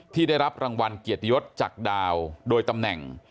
ที่ได้รับรางวัลเกียรติยศจากดาวโดยตำแหน่ง